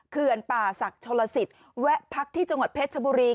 เขื่อนป่าศักดิ์โชลสิทธิ์แวะพักที่จังหวัดเพชรชบุรี